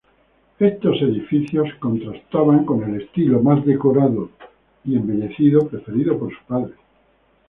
Estos edificios contrastaban con el estilo más decorado y embellecido preferido por su padre.